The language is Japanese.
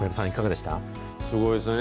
すごいっすね。